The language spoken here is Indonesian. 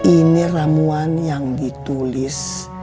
ini ramuan yang ditulis